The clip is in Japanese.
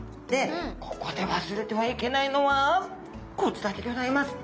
ここで忘れてはいけないのはこちらでギョざいます。